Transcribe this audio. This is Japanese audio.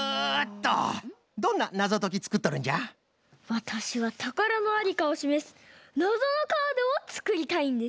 わたしはたからのありかをしめすなぞのカードをつくりたいんです。